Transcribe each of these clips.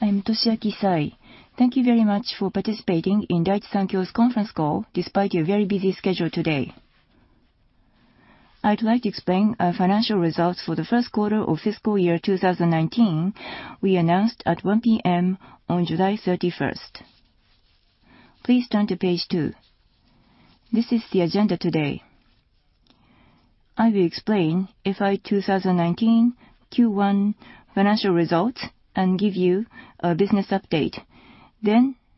I'm Toshiaki Sai. Thank you very much for participating in Daiichi Sankyo's conference call despite your very busy schedule today. I'd like to explain our financial results for the first quarter of fiscal year 2019 we announced at 1:00 P.M. on July 31st. Please turn to page two. This is the agenda today. I will explain FY 2019 Q1 financial results and give you a business update.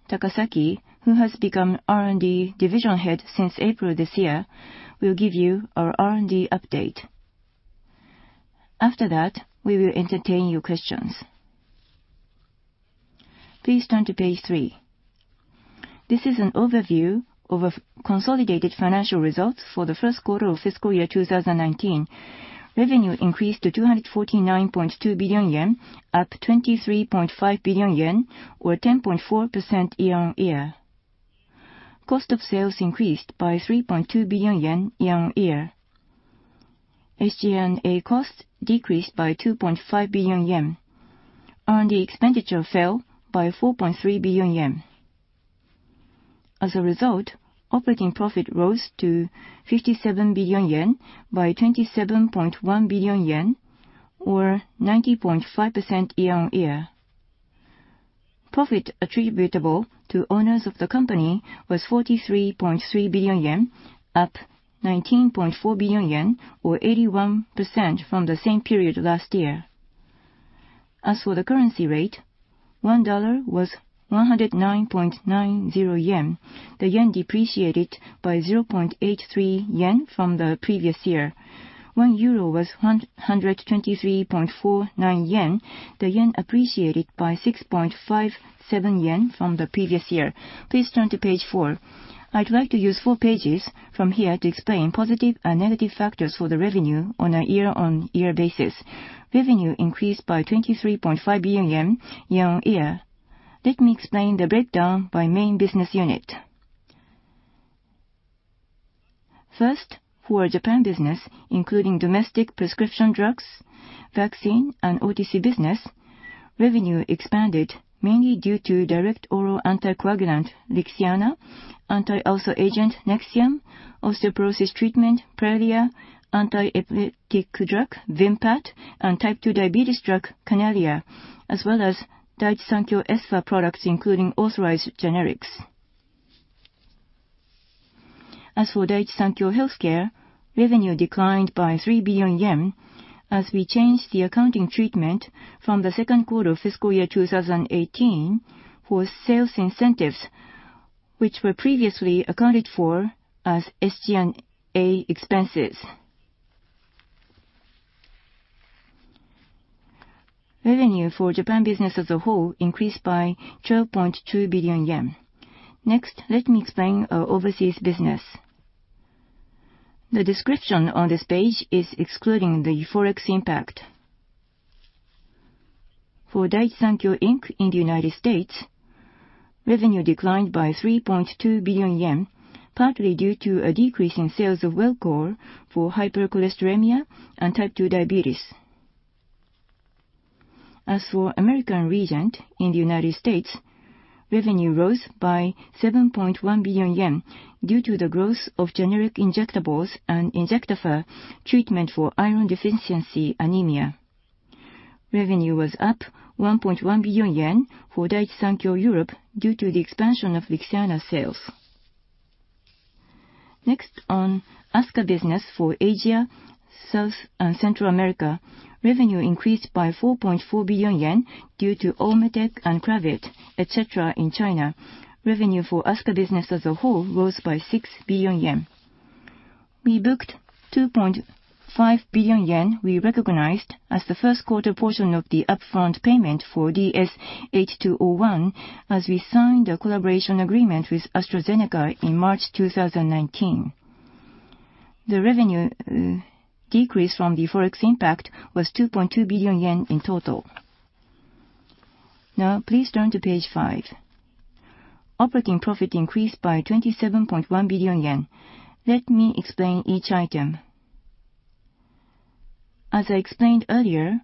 Takasaki, who has become R&D Division Head since April this year, will give you our R&D update. After that, we will entertain your questions. Please turn to page three. This is an overview of our consolidated financial results for the first quarter of fiscal year 2019. Revenue increased to 249.2 billion yen, up 23.5 billion yen, or 10.4% year-on-year. Cost of sales increased by 3.2 billion yen year-on-year. SG&A costs decreased by 2.5 billion yen. R&D expenditure fell by 4.3 billion yen. As a result, operating profit rose to 57 billion yen by 27.1 billion yen, or 90.5% year-on-year. Profit attributable to owners of the company was 43.3 billion yen, up 19.4 billion yen, or 81% from the same period last year. As for the currency rate, $1 was 109.90 yen. The yen depreciated by 0.83 yen from the previous year. 1 euro was 123.49 yen. The yen appreciated by 6.57 yen from the previous year. Please turn to page four. I'd like to use four pages from here to explain positive and negative factors for the revenue on a year-on-year basis. Revenue increased by 23.5 billion yen year-on-year. Let me explain the breakdown by main business unit. First, for our Japan business, including domestic prescription drugs, vaccine, and OTC business, revenue expanded mainly due to direct oral anticoagulant LIXIANA, anti-ulcer agent NEXIUM, osteoporosis treatment PRALIA, anti-epileptic drug VIMPAT, and Type 2 diabetes drug CANALIA, as well as Daiichi Sankyo Espha products, including authorized generics. As for Daiichi Sankyo Healthcare, revenue declined by 3 billion yen as we changed the accounting treatment from the second quarter of fiscal year 2018 for sales incentives, which were previously accounted for as SG&A expenses. Revenue for Japan business as a whole increased by 12.2 billion yen. Next, let me explain our overseas business. The description on this page is excluding the ForEx impact. For Daiichi Sankyo Inc. in the United States, revenue declined by 3.2 billion yen, partly due to a decrease in sales of Welchol for hypercholesterolemia and Type 2 diabetes. As for American Regent in the United States, revenue rose by 7.1 billion yen due to the growth of generic injectables and INJECTAFER treatment for iron deficiency anemia. Revenue was up 1.1 billion yen for Daiichi Sankyo Europe due to the expansion of LIXIANA sales. Next, on ASCA Business for Asia, South and Central America, revenue increased by 4.4 billion yen due to Olmetec and Cravit, et cetera, in China. Revenue for ASCA Business as a whole rose by 6 billion yen. We booked 2.5 billion yen we recognized as the first quarter portion of the up-front payment for DS-8201, as we signed a collaboration agreement with AstraZeneca in March 2019. The revenue decrease from the ForEx impact was 2.2 billion yen in total. Now, please turn to page five. Operating profit increased by 27.1 billion yen. Let me explain each item. As I explained earlier,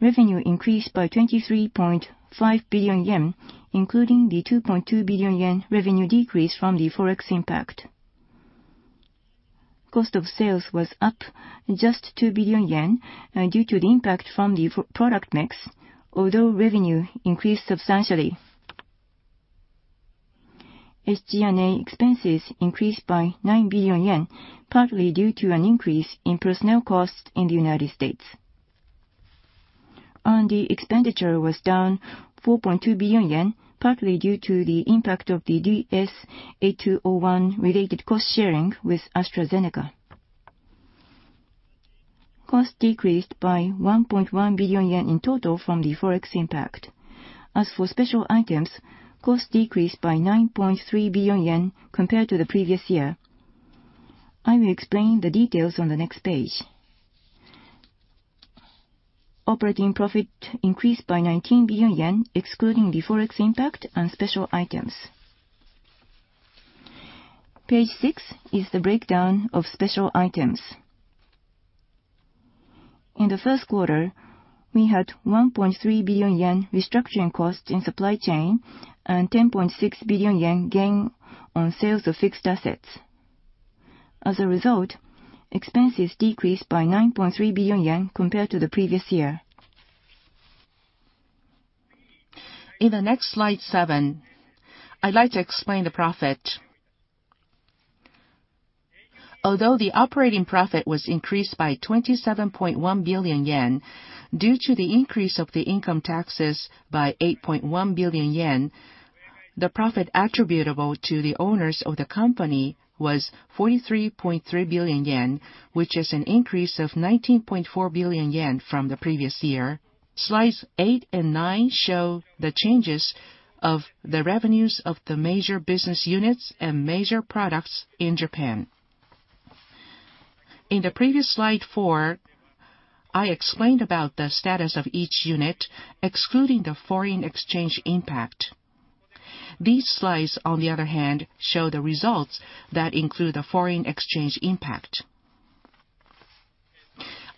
revenue increased by 23.5 billion yen, including the 2.2 billion yen revenue decrease from the ForEx impact. Cost of sales was up just 2 billion yen due to the impact from the product mix, although revenue increased substantially. SG&A expenses increased by 9 billion yen, partly due to an increase in personnel costs in the U.S. R&D expenditure was down 4.2 billion yen, partly due to the impact of the DS-8201 related cost sharing with AstraZeneca. Costs decreased by 1.1 billion yen in total from the ForEx impact. As for special items, costs decreased by 9.3 billion yen compared to the previous year. I will explain the details on the next page. Operating profit increased by 19 billion yen, excluding the ForEx impact and special items. Page six is the breakdown of special items. In the first quarter, we had 1.3 billion yen restructuring costs in supply chain and 10.6 billion yen gain on sales of fixed assets. As a result, expenses decreased by 9.3 billion yen compared to the previous year. In the next slide seven, I'd like to explain the profit. Although the operating profit was increased by 27.1 billion yen due to the increase of the income taxes by 8.1 billion yen, the profit attributable to the owners of the company was 43.3 billion yen, which is an increase of 19.4 billion yen from the previous year. Slides eight and nine show the changes of the revenues of the major business units and major products in Japan. In the previous slide four, I explained about the status of each unit, excluding the foreign exchange impact. These slides, on the other hand, show the results that include the foreign exchange impact.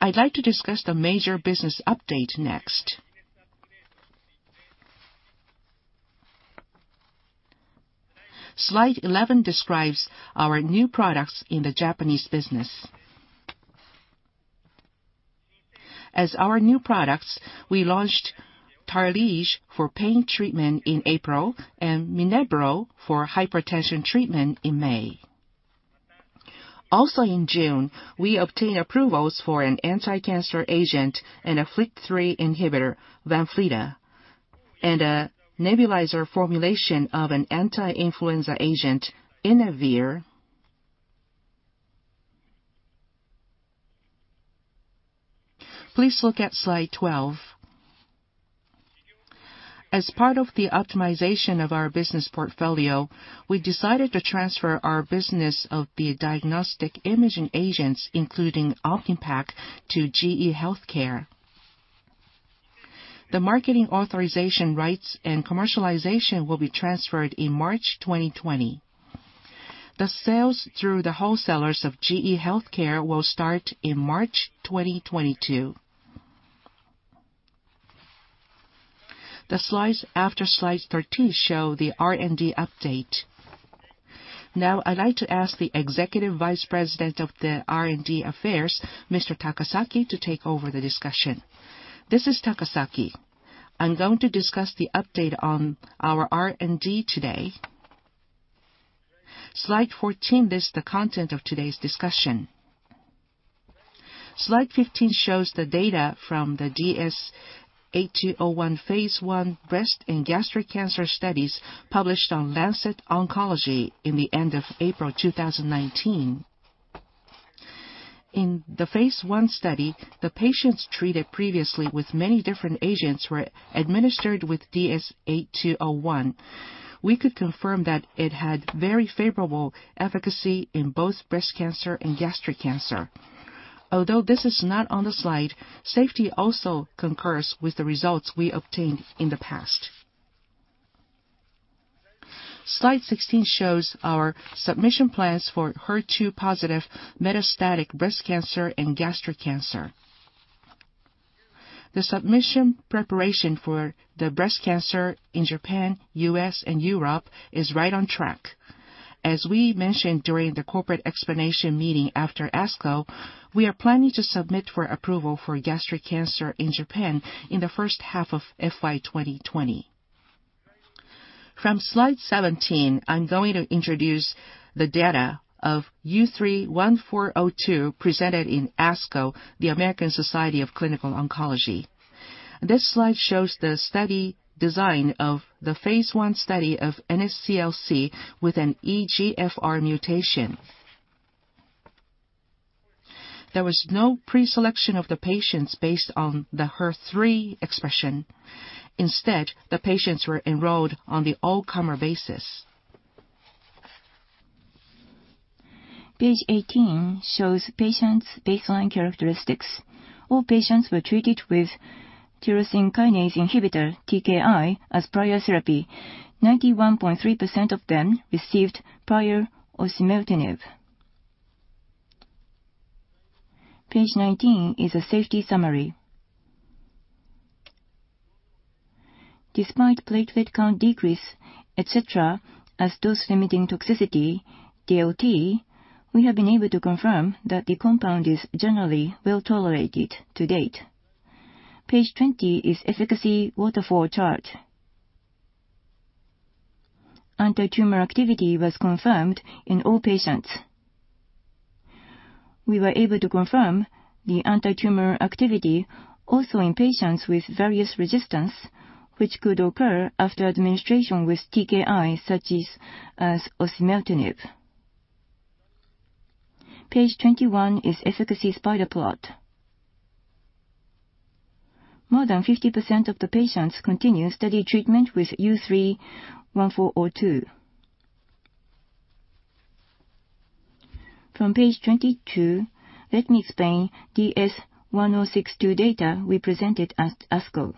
I'd like to discuss the major business update next. Slide 11 describes our new products in the Japanese business. As our new products, we launched Tarlige for pain treatment in April and MINNEBRO for hypertension treatment in May. Also in June, we obtained approvals for an anti-cancer agent and a FLT3 inhibitor, VANFLYTA, and a nebulizer formulation of an anti-influenza agent, Inavir. Please look at slide 12. As part of the optimization of our business portfolio, we decided to transfer our business of the diagnostic imaging agents, including Omnipaque, to GE Healthcare. The marketing authorization rights and commercialization will be transferred in March 2020. The sales through the wholesalers of GE Healthcare will start in March 2022. The slides after slide 13 show the R&D update. Now I'd like to ask the Executive Vice President of the R&D Affairs, Mr. Takasaki, to take over the discussion. This is Takasaki. I'm going to discuss the update on our R&D today. Slide 14 lists the content of today's discussion. Slide 15 shows the data from the DS-8201 phase I breast and gastric cancer studies published on The Lancet Oncology in the end of April 2019. In the phase I study, the patients treated previously with many different agents were administered with DS-8201. We could confirm that it had very favorable efficacy in both breast cancer and gastric cancer. Although this is not on the slide, safety also concurs with the results we obtained in the past. Slide 16 shows our submission plans for HER2-positive metastatic breast cancer and gastric cancer. The submission preparation for the breast cancer in Japan, U.S., and Europe is right on track. As we mentioned during the corporate explanation meeting after ASCO, we are planning to submit for approval for gastric cancer in Japan in the first half of FY 2020. From slide 17, I'm going to introduce the data of U3-1402 presented in ASCO, the American Society of Clinical Oncology. This slide shows the study design of the phase I study of NSCLC with an EGFR mutation. There was no pre-selection of the patients based on the HER3 expression. Instead, the patients were enrolled on the all-comer basis. Page 18 shows patients' baseline characteristics. All patients were treated with tyrosine kinase inhibitor, TKI, as prior therapy. 91.3% of them received prior osimertinib. Page 19 is a safety summary. Despite platelet count decrease, et cetera, as dose-limiting toxicity, DLT, we have been able to confirm that the compound is generally well-tolerated to date. Page 20 is efficacy waterfall chart. Antitumor activity was confirmed in all patients. We were able to confirm the antitumor activity also in patients with various resistance, which could occur after administration with TKI, such as osimertinib. Page 21 is efficacy spider plot. More than 50% of the patients continue study treatment with U3-1402. From page 22, let me explain DS-1062 data we presented at ASCO.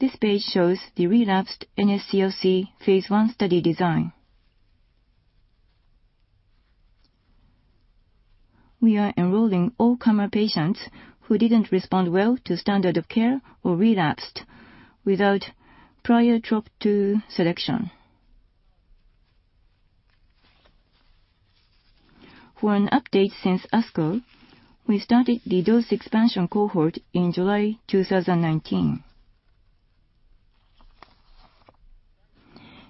This page shows the relapsed NSCLC phase I study design. We are enrolling all comer patients who didn't respond well to standard of care or relapsed without prior TROP2 selection. For an update since ASCO, we started the dose expansion cohort in July 2019.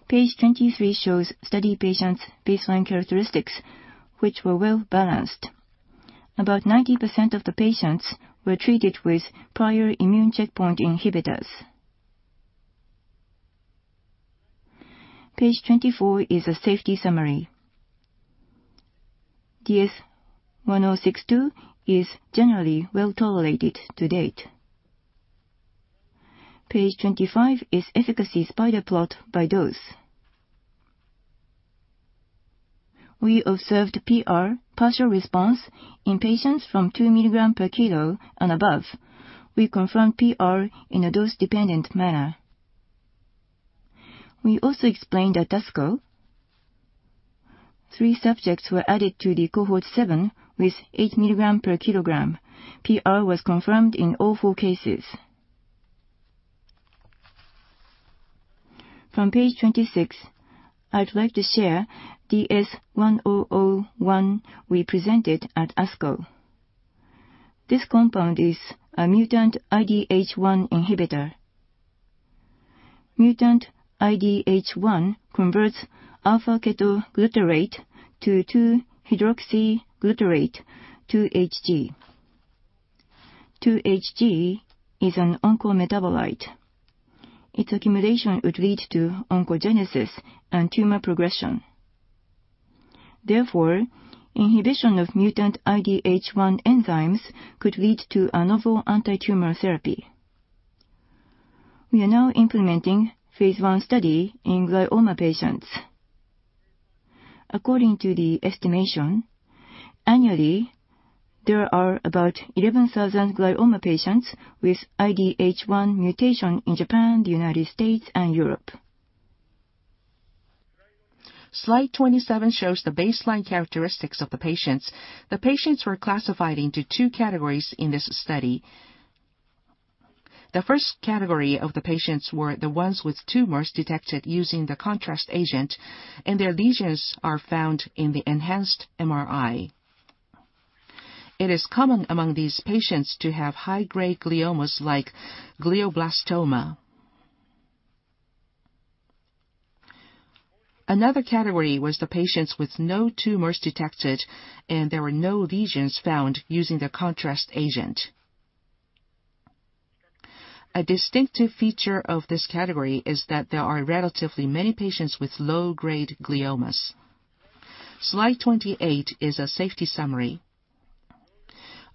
Page 23 shows study patients' baseline characteristics, which were well-balanced. About 90% of the patients were treated with prior immune checkpoint inhibitors. Page 24 is a safety summary. DS-1062 is generally well-tolerated to date. Page 25 is efficacy spider plot by dose. We observed PR, partial response, in patients from 2 mg/kg and above. We confirm PR in a dose-dependent manner. We also explained at ASCO, three subjects were added to the cohort seven with 8 mg/kg. PR was confirmed in all four cases. From Page 26, I'd like to share DS-1001 we presented at ASCO. This compound is a mutant IDH1 inhibitor. Mutant IDH1 converts alpha-ketoglutarate to 2-hydroxyglutarate, 2-HG. 2-HG is an oncometabolite. Its accumulation would lead to oncogenesis and tumor progression. Therefore, inhibition of mutant IDH1 enzymes could lead to a novel anti-tumor therapy. We are now implementing phase I study in glioma patients. According to the estimation, annually, there are about 11,000 glioma patients with IDH1 mutation in Japan, the U.S., and Europe. Slide 27 shows the baseline characteristics of the patients. The patients were classified into 2 categories in this study. The first category of the patients were the ones with tumors detected using the contrast agent, and their lesions are found in the enhanced MRI. It is common among these patients to have high-grade gliomas like glioblastoma. Another category was the patients with no tumors detected, and there were no lesions found using the contrast agent. A distinctive feature of this category is that there are relatively many patients with low-grade gliomas. Slide 28 is a safety summary.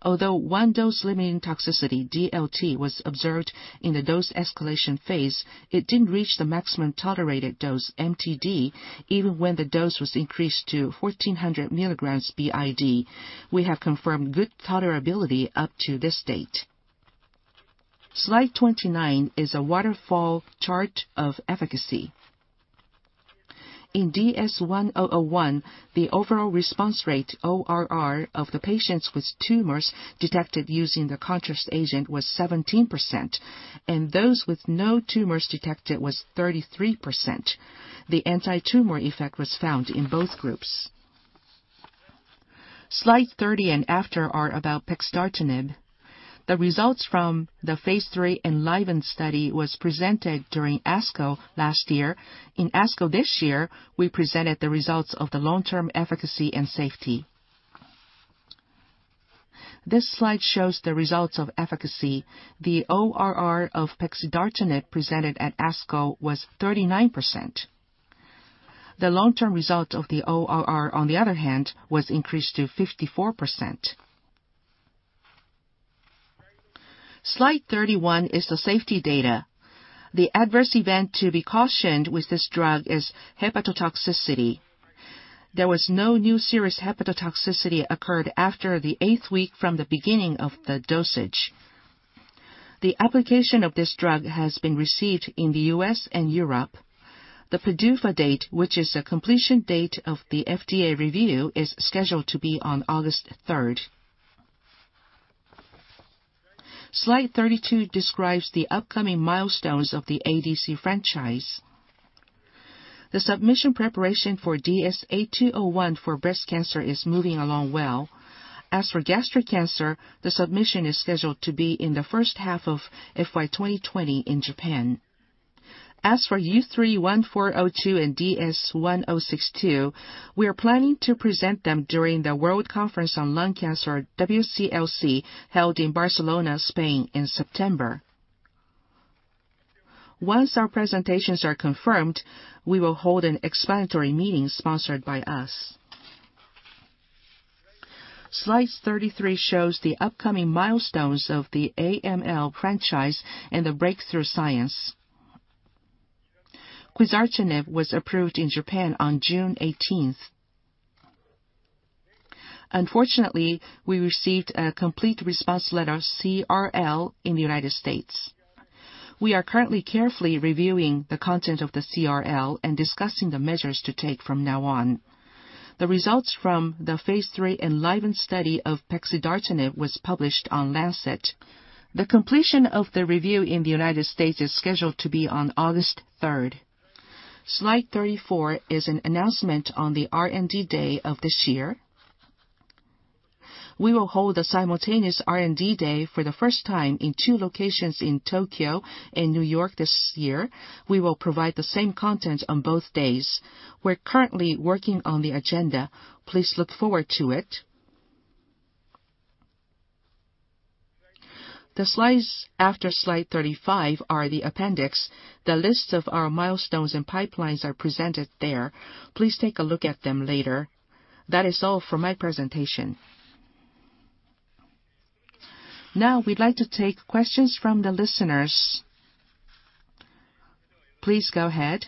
Although one dose limiting toxicity, DLT, was observed in the dose escalation phase, it didn't reach the maximum tolerated dose, MTD, even when the dose was increased to 1,400 milligrams BID. We have confirmed good tolerability up to this date. Slide 29 is a waterfall chart of efficacy. In DS-1001, the overall response rate, ORR, of the patients with tumors detected using the contrast agent was 17%, and those with no tumors detected was 33%. The anti-tumor effect was found in both groups. Slide 30 and after are about pexidartinib. The results from the phase III ENLIVEN study was presented during ASCO last year. In ASCO this year, we presented the results of the long-term efficacy and safety. This slide shows the results of efficacy. The ORR of pexidartinib presented at ASCO was 39%. The long-term result of the ORR, on the other hand, was increased to 54%. Slide 31 is the safety data. The adverse event to be cautioned with this drug is hepatotoxicity. There was no new serious hepatotoxicity occurred after the eighth week from the beginning of the dosage. The application of this drug has been received in the U.S. and Europe. The PDUFA date, which is the completion date of the FDA review, is scheduled to be on August 3rd. Slide 32 describes the upcoming milestones of the ADC franchise. The submission preparation for DS-8201 for breast cancer is moving along well. As for gastric cancer, the submission is scheduled to be in the first half of FY 2020 in Japan. As for U3-1402 and DS-1062, we are planning to present them during the World Conference on Lung Cancer, WCLC, held in Barcelona, Spain in September. Once our presentations are confirmed, we will hold an explanatory meeting sponsored by us. Slide 33 shows the upcoming milestones of the AML franchise and the breakthrough science. quizartinib was approved in Japan on June 18th. Unfortunately, we received a complete response letter, CRL, in the U.S. We are currently carefully reviewing the content of the CRL and discussing the measures to take from now on. The results from the phase III ENLIVEN study of pexidartinib was published on The Lancet. The completion of the review in the U.S. is scheduled to be on August 3rd. Slide 34 is an announcement on the R&D Day of this year. We will hold a simultaneous R&D Day for the first time in two locations in Tokyo and New York this year. We will provide the same content on both days. We're currently working on the agenda. Please look forward to it. The slides after slide 35 are the appendix. The list of our milestones and pipelines are presented there. Please take a look at them later. That is all for my presentation. We'd like to take questions from the listeners. Please go ahead.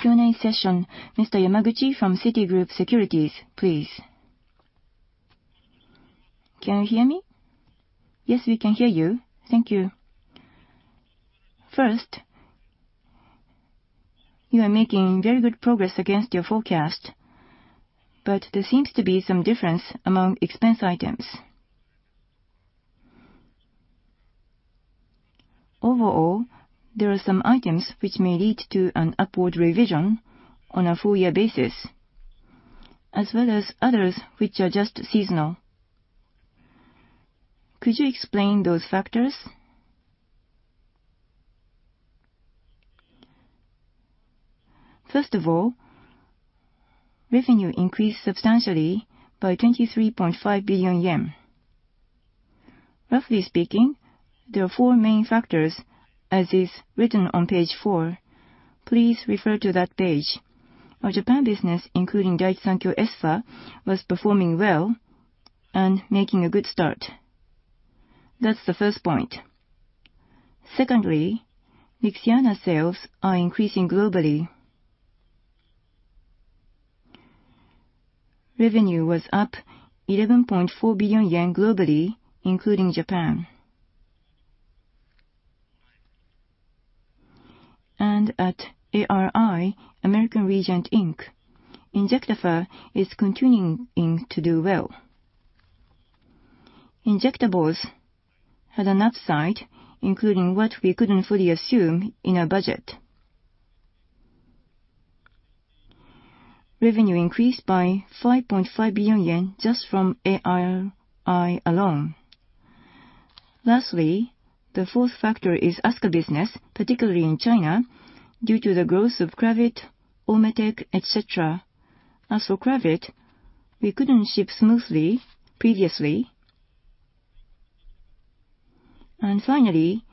Q&A session. Mr. Yamaguchi from Citigroup Securities, please. Can you hear me? Yes, we can hear you. Thank you. First, you are making very good progress against your forecast. There seems to be some difference among expense items. Overall, there are some items which may lead to an upward revision on a full year basis, as well as others which are just seasonal. Could you explain those factors? First of all, revenue increased substantially by 23.5 billion yen. Roughly speaking, there are four main factors as is written on page four. Please refer to that page. Our Japan business, including Daiichi Sankyo Espha, was performing well and making a good start. That's the first point. Secondly, LIXIANA sales are increasing globally. Revenue was up 11.4 billion yen globally, including Japan. At ARI, American Regent Inc., INJECTAFER is continuing to do well. Injectables had an upside, including what we couldn't fully assume in our budget. Revenue increased by 5.5 billion yen just from ARI alone. The fourth factor is ASCA business, particularly in China, due to the growth of Cravit, Olmetec, et cetera. As for Cravit, we couldn't ship smoothly previously. Finally,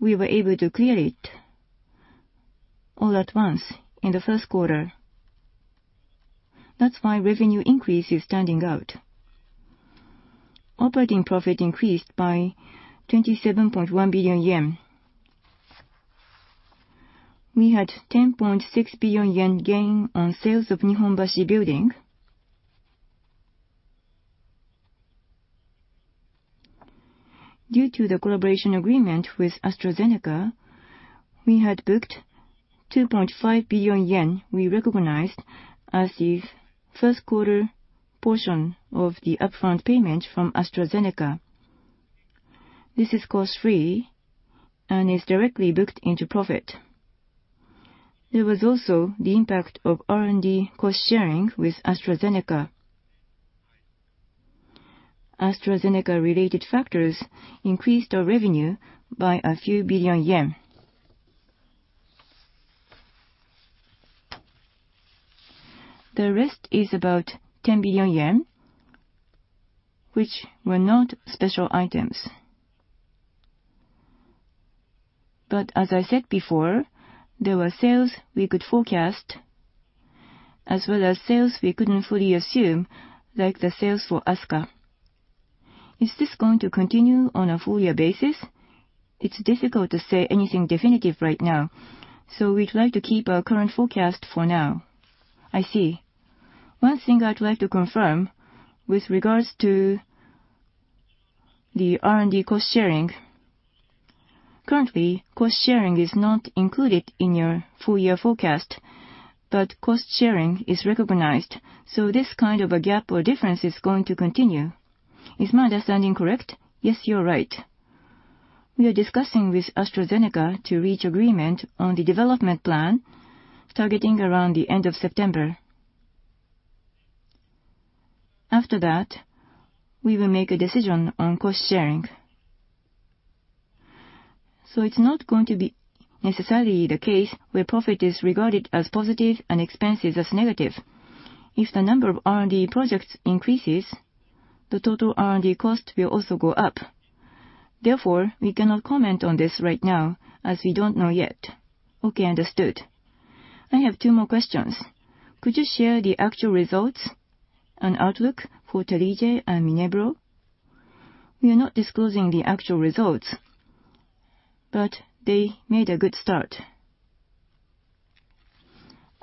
we were able to clear it all at once in the first quarter. That's why revenue increase is standing out. Operating profit increased by 27.1 billion yen. We had 10.6 billion yen gain on sales of Nihonbashi building. Due to the collaboration agreement with AstraZeneca, we had booked 2.5 billion yen we recognized as the first quarter portion of the upfront payment from AstraZeneca. This is cost-free and is directly booked into profit. There was also the impact of R&D cost-sharing with AstraZeneca. AstraZeneca-related factors increased our revenue by a few billion JPY. The rest is about 10 billion yen, which were not special items. As I said before, there were sales we could forecast, as well as sales we couldn't fully assume, like the sales for ASCA. Is this going to continue on a full year basis? It's difficult to say anything definitive right now, so we'd like to keep our current forecast for now. I see. One thing I'd like to confirm with regards to the R&D cost-sharing. Currently, cost-sharing is not included in your full year forecast, but cost-sharing is recognized, so this kind of a gap or difference is going to continue. Is my understanding correct? Yes, you're right. We are discussing with AstraZeneca to reach agreement on the development plan targeting around the end of September. After that, we will make a decision on cost-sharing. It's not going to be necessarily the case where profit is regarded as positive and expenses as negative. If the number of R&D projects increases, the total R&D cost will also go up. Therefore, we cannot comment on this right now as we don't know yet. Okay, understood. I have two more questions. Could you share the actual results and outlook for Tarlige and MINNEBRO? We are not disclosing the actual results. They made a good start.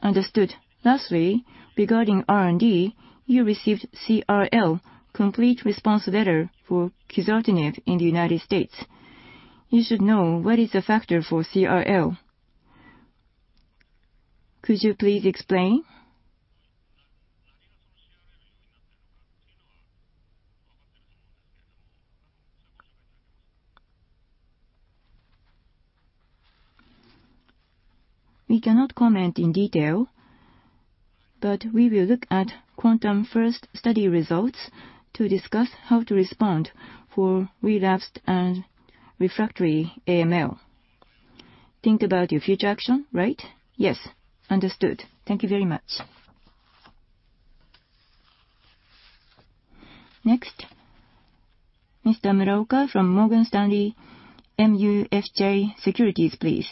Understood. Lastly, regarding R&D, you received CRL, complete response letter, for quizartinib in the U.S. You should know what is a factor for CRL. Could you please explain? We cannot comment in detail, but we will look at QuANTUM-First study results to discuss how to respond for relapsed and refractory AML. Think about your future action, right? Yes. Understood. Thank you very much. Next, Mr. Muraoka from Morgan Stanley MUFG Securities, please.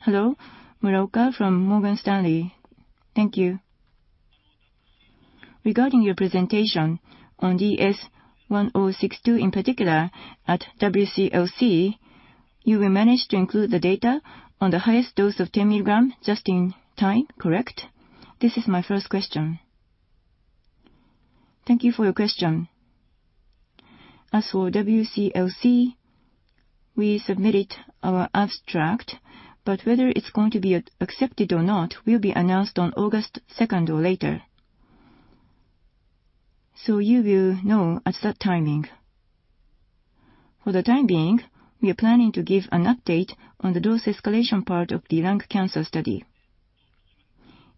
Hello. Muraoka from Morgan Stanley. Thank you. Regarding your presentation on DS-1062, in particular at WCLC, you will manage to include the data on the highest dose of 10 milligram just in time, correct? This is my first question. Thank you for your question. As for WCLC, we submitted our abstract, but whether it's going to be accepted or not will be announced on August 2nd or later. You will know at that timing. For the time being, we are planning to give an update on the dose escalation part of the lung cancer study.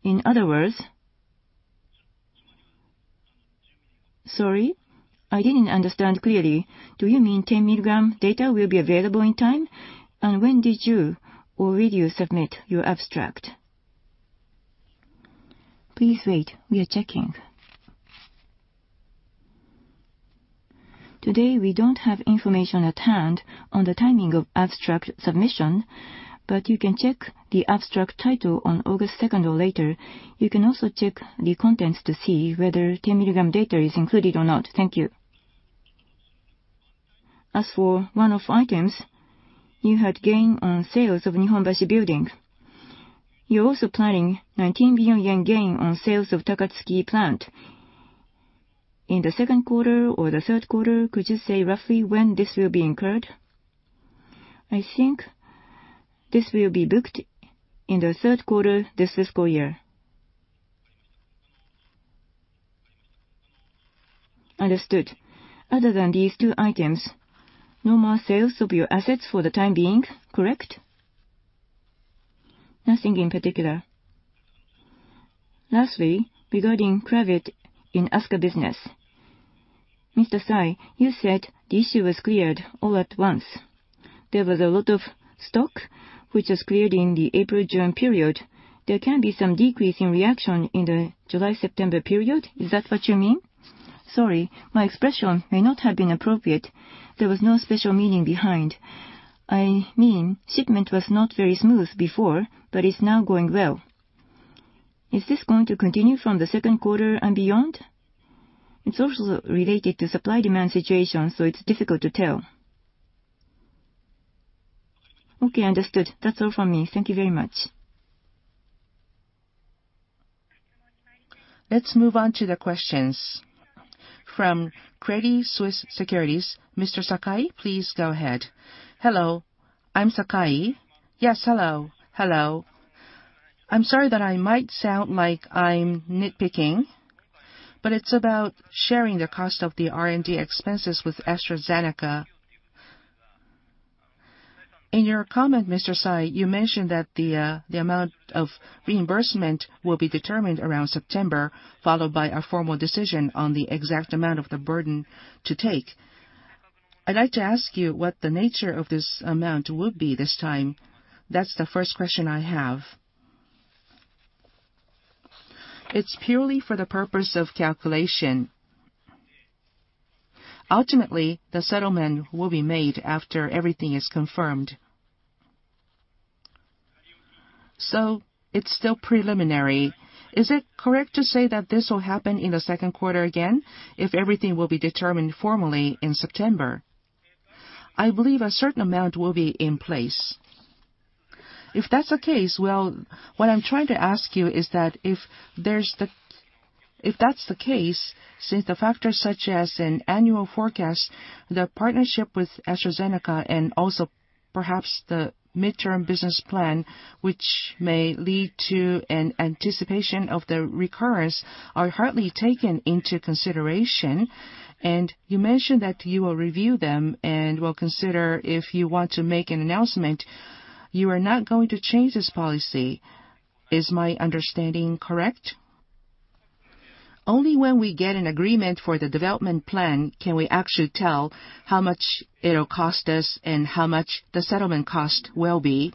In other words, sorry, I didn't understand clearly. Do you mean 10 milligram data will be available in time? When did you or will you submit your abstract? Please wait. We are checking. Today, we don't have information at hand on the timing of abstract submission, but you can check the abstract title on August 2nd or later. You can also check the contents to see whether 10-milligram data is included or not. Thank you. As for one-off items, you had gain on sales of Nihonbashi building. You're also planning 19 billion yen gain on sales of Takatsuki plant. In the second quarter or the third quarter, could you say roughly when this will be incurred? I think this will be booked in the third quarter this fiscal year. Understood. Other than these two items, no more sales of your assets for the time being, correct? Nothing in particular. Lastly, regarding Cravit in ASCA business. Mr. Sai, you said the issue was cleared all at once. There was a lot of stock which was cleared in the April/June period. There can be some decrease in reaction in the July/September period. Is that what you mean? Sorry, my expression may not have been appropriate. There was no special meaning behind. I mean, shipment was not very smooth before, but it's now going well. Is this going to continue from the second quarter and beyond? It's also related to supply-demand situation, so it's difficult to tell. Okay, understood. That's all from me. Thank you very much. Let's move on to the questions from Crédit Suisse Securities. Mr. Sakai, please go ahead. Hello. I'm Sakai. Yes, hello. Hello. I'm sorry that I might sound like I'm nitpicking, but it's about sharing the cost of the R&D expenses with AstraZeneca. In your comment, Mr. Sai, you mentioned that the amount of reimbursement will be determined around September, followed by a formal decision on the exact amount of the burden to take. I'd like to ask you what the nature of this amount would be this time. That's the first question I have. It's purely for the purpose of calculation. Ultimately, the settlement will be made after everything is confirmed. It's still preliminary. Is it correct to say that this will happen in the second quarter again, if everything will be determined formally in September? I believe a certain amount will be in place. If that's the case, well, what I'm trying to ask you is that if that's the case, since the factors such as an annual forecast, the partnership with AstraZeneca, and also perhaps the midterm business plan, which may lead to an anticipation of the recurrence, are hardly taken into consideration. You mentioned that you will review them and will consider if you want to make an announcement, you are not going to change this policy. Is my understanding correct? Only when we get an agreement for the development plan can we actually tell how much it'll cost us and how much the settlement cost will be.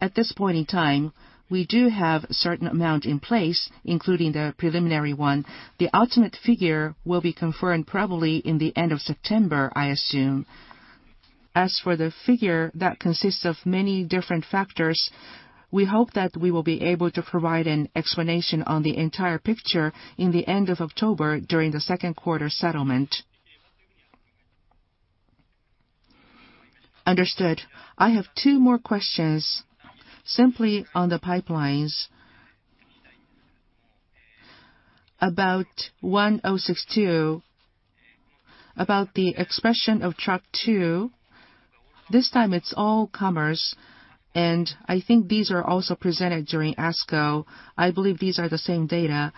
At this point in time, we do have certain amount in place, including the preliminary one. The ultimate figure will be confirmed probably in the end of September, I assume. As for the figure, that consists of many different factors. We hope that we will be able to provide an explanation on the entire picture in the end of October during the second quarter settlement. Understood. I have two more questions. Simply on the pipelines, about DS-1062, about the expression of TROP2. This time it's all comers. I think these are also presented during ASCO. I believe these are the same data.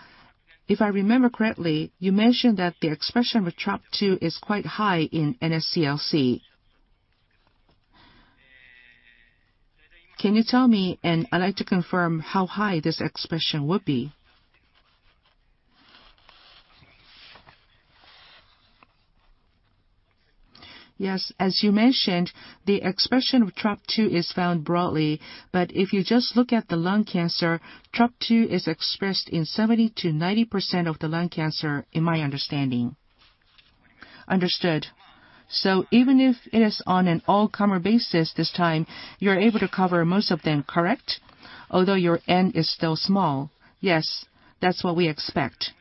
If I remember correctly, you mentioned that the expression with TROP2 is quite high in NSCLC. Can you tell me. I'd like to confirm how high this expression would be. Yes. As you mentioned, the expression of TROP2 is found broadly. If you just look at the lung cancer, TROP2 is expressed in 70%-90% of the lung cancer, in my understanding. Understood. Even if it is on an all-comer basis this time, you're able to cover most of them, correct? Although your N is still small. Yes, that's what we expect.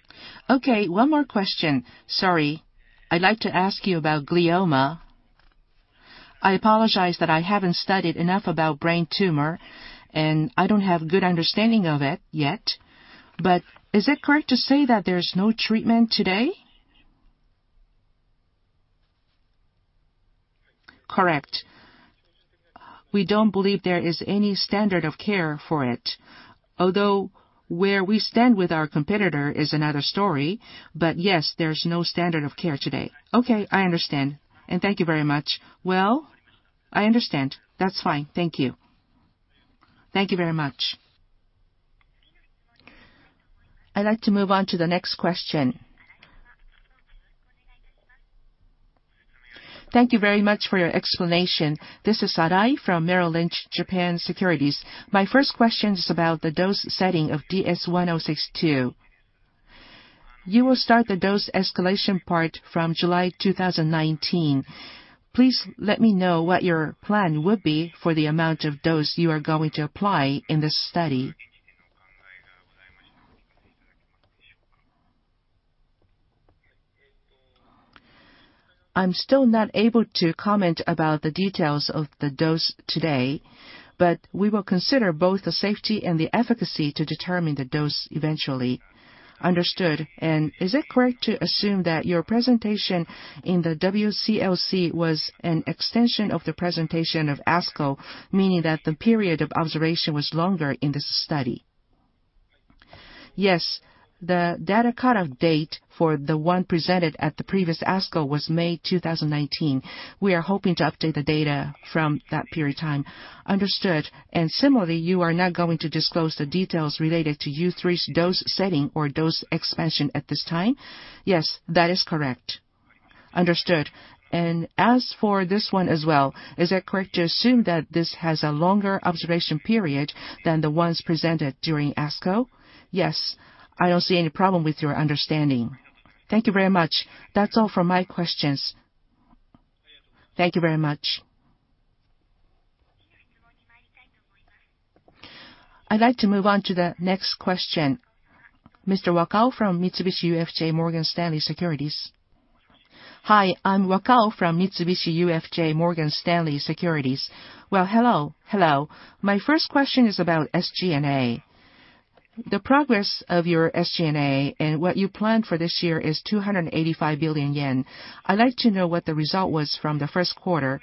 Okay, one more question. Sorry. I'd like to ask you about glioma. I apologize that I haven't studied enough about brain tumor, and I don't have good understanding of it yet. Is it correct to say that there's no treatment today? Correct. We don't believe there is any standard of care for it, although where we stand with our competitor is another story. Yes, there's no standard of care today. Okay, I understand. Thank you very much. I understand. That's fine. Thank you. Thank you very much. I'd like to move on to the next question. Thank you very much for your explanation. This is Arai from Merrill Lynch Japan Securities. My first question is about the dose setting of DS-1062. You will start the dose escalation part from July 2019. Please let me know what your plan would be for the amount of dose you are going to apply in this study. I'm still not able to comment about the details of the dose today, but we will consider both the safety and the efficacy to determine the dose eventually. Understood. Is it correct to assume that your presentation in the WCLC was an extension of the presentation of ASCO, meaning that the period of observation was longer in this study? Yes. The data cut-off date for the one presented at the previous ASCO was May 2019. We are hoping to update the data from that period of time. Understood. Similarly, you are not going to disclose the details related to U3's dose setting or dose expansion at this time? Yes, that is correct. Understood. As for this one as well, is it correct to assume that this has a longer observation period than the ones presented during ASCO? Yes. I don't see any problem with your understanding. Thank you very much. That's all for my questions. Thank you very much. I'd like to move on to the next question. Mr. Wakao from Mitsubishi UFJ Morgan Stanley Securities. Hi, I'm Wakao from Mitsubishi UFJ Morgan Stanley Securities. Hello. Hello. My first question is about SG&A. The progress of your SG&A and what you planned for this year is 285 billion yen. I'd like to know what the result was from the first quarter.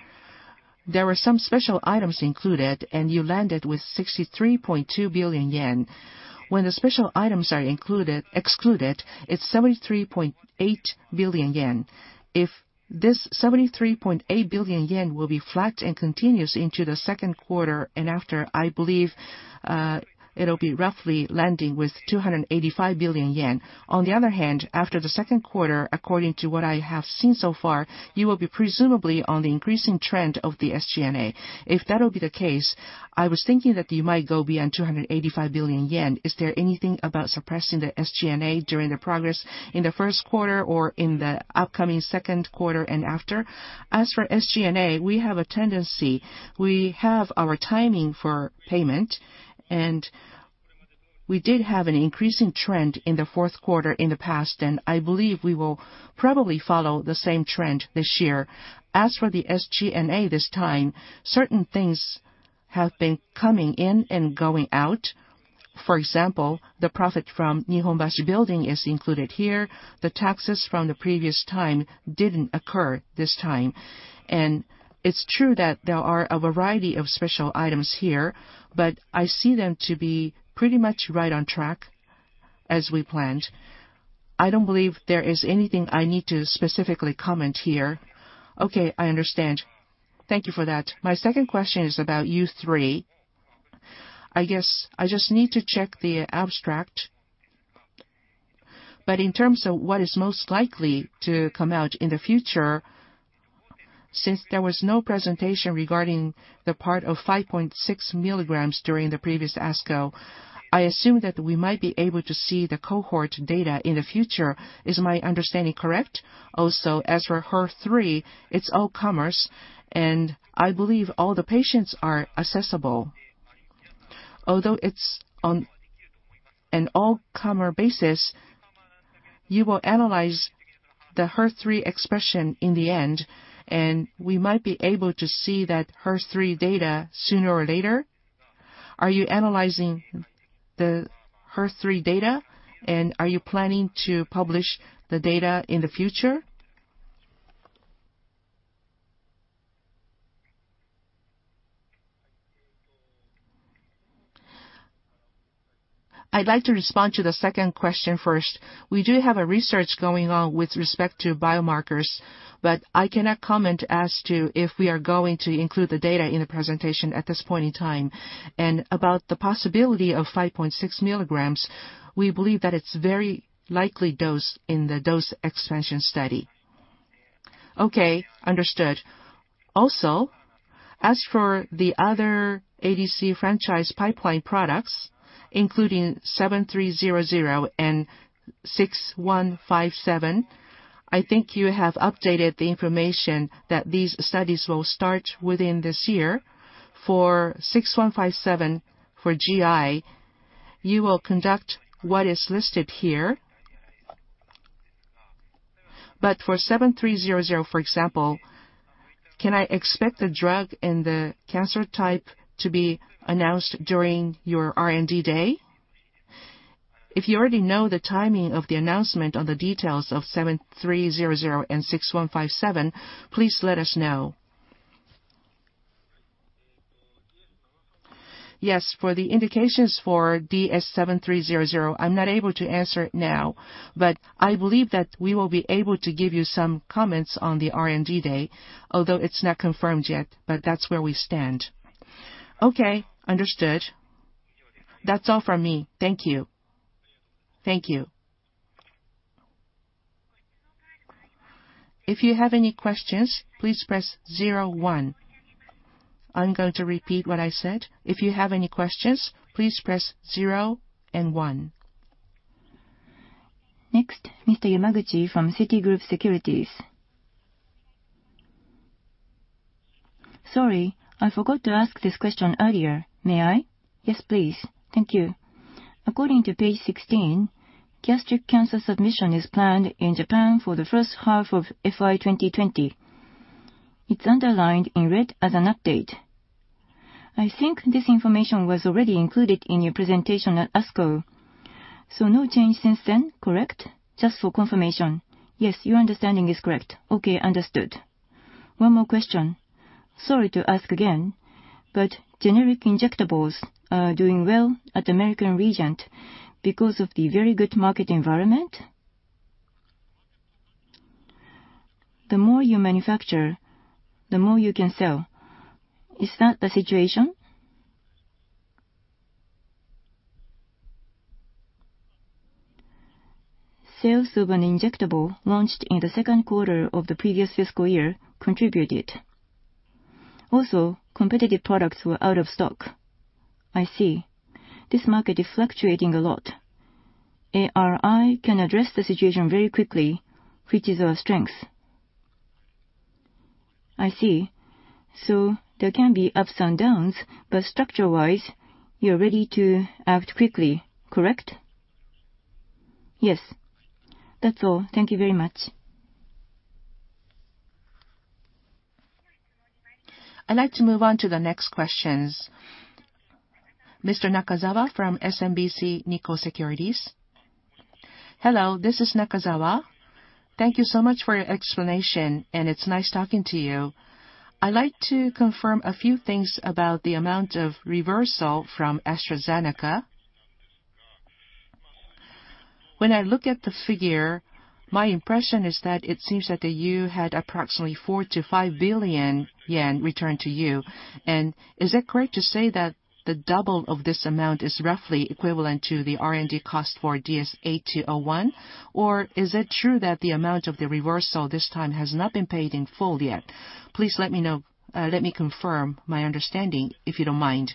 There were some special items included, and you landed with 63.2 billion yen. When the special items are excluded, it's 73.8 billion yen. If this 73.8 billion yen will be flat and continues into the second quarter and after, I believe it'll be roughly landing with 285 billion yen. On the other hand, after the second quarter, according to what I have seen so far, you will be presumably on the increasing trend of the SG&A. If that will be the case, I was thinking that you might go beyond 285 billion yen. Is there anything about suppressing the SG&A during the progress in the first quarter or in the upcoming second quarter and after? As for SG&A, we have a tendency. We have our timing for payment, and we did have an increasing trend in the fourth quarter in the past, and I believe we will probably follow the same trend this year. As for the SG&A this time, certain things have been coming in and going out. For example, the profit from Nihonbashi building is included here. The taxes from the previous time didn't occur this time. It's true that there are a variety of special items here, but I see them to be pretty much right on track as we planned. I don't believe there is anything I need to specifically comment here. Okay, I understand. Thank you for that. My second question is about U3. I guess I just need to check the abstract. In terms of what is most likely to come out in the future, since there was no presentation regarding the part of 5.6 milligrams during the previous ASCO, I assume that we might be able to see the cohort data in the future. Is my understanding correct? As for HER3, it's all comers, and I believe all the patients are accessible. Although it's on an all-comer basis, you will analyze the HER3 expression in the end, and we might be able to see that HER3 data sooner or later. Are you analyzing the HER3 data, and are you planning to publish the data in the future? I'd like to respond to the second question first. We do have a research going on with respect to biomarkers, but I cannot comment as to if we are going to include the data in the presentation at this point in time. About the possibility of 5.6 milligrams, we believe that it's very likely dose in the dose expansion study. Okay, understood. As for the other ADC franchise pipeline products, including 7300 and 6157, I think you have updated the information that these studies will start within this year. For DS-6157 for GI, you will conduct what is listed here. For DS-7300, for example, can I expect the drug and the cancer type to be announced during your R&D day? If you already know the timing of the announcement on the details of DS-7300 and DS-6157, please let us know. Yes, for the indications for DS-7300, I'm not able to answer it now, but I believe that we will be able to give you some comments on the R&D day, although it's not confirmed yet, but that's where we stand. Okay, understood. That's all from me. Thank you. Thank you. If you have any questions, please press zero one. I'm going to repeat what I said. If you have any questions, please press zero and one. Next, Mr. Yamaguchi from Citigroup Securities. Sorry, I forgot to ask this question earlier. May I? Yes, please. Thank you. According to page 16, gastric cancer submission is planned in Japan for the first half of FY 2020. It's underlined in red as an update. I think this information was already included in your presentation at ASCO. No change since then, correct? Just for confirmation. Yes, your understanding is correct. Okay, understood. One more question. Sorry to ask again, generic injectables are doing well at American Regent because of the very good market environment? The more you manufacture, the more you can sell. Is that the situation? Sales of an injectable launched in the second quarter of the previous fiscal year contributed. Competitive products were out of stock. I see. This market is fluctuating a lot. ARI can address the situation very quickly, which is our strength. I see. There can be ups and downs, but structure-wise, you're ready to act quickly, correct? Yes. That's all. Thank you very much. I'd like to move on to the next questions. Mr. Nakazawa from SMBC Nikko Securities. Hello, this is Nakazawa. Thank you so much for your explanation, and it's nice talking to you. I'd like to confirm a few things about the amount of reversal from AstraZeneca. When I look at the figure, my impression is that it seems that you had approximately 4 billion-5 billion yen returned to you. Is it correct to say that the double of this amount is roughly equivalent to the R&D cost for DS-8201? Is it true that the amount of the reversal this time has not been paid in full yet? Please let me confirm my understanding, If you don't mind.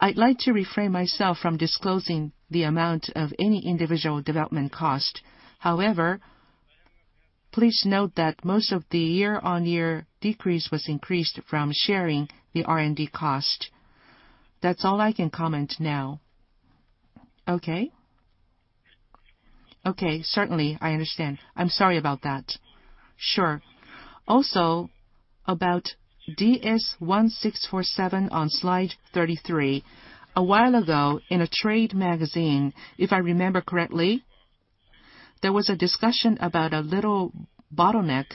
I'd like to refrain myself from disclosing the amount of any individual development cost. However, please note that most of the year-on-year decrease was increased from sharing the R&D cost. That's all I can comment now. Okay. Okay, certainly, I understand. I'm sorry about that. Sure. Also, about DS-1647 on slide 33, a while ago in a trade magazine, if I remember correctly, there was a discussion about a little bottleneck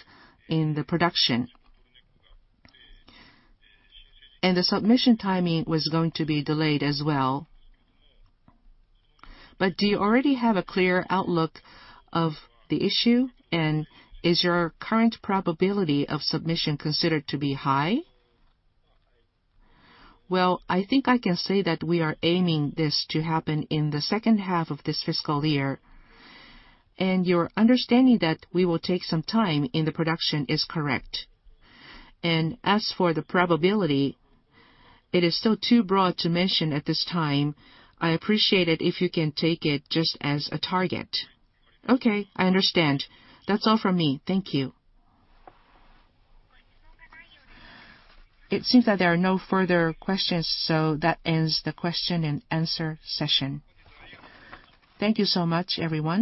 in the production. The submission timing was going to be delayed as well. Do you already have a clear outlook of the issue? Is your current probability of submission considered to be high? Well, I think I can say that we are aiming this to happen in the second half of this fiscal year. Your understanding that we will take some time in the production is correct. As for the probability, it is still too broad to mention at this time. I appreciate it if you can take it just as a target. Okay, I understand. That's all from me. Thank you. It seems that there are no further questions. That ends the question and answer session. Thank you so much, everyone.